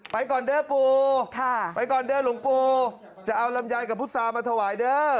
ไปก่อนเด้อปูไปก่อนเด้อหลวงปู่จะเอาลำไยกับพุษามาถวายเด้อ